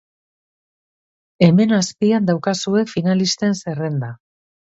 Hemen azpian daukazue finalisten zerrenda.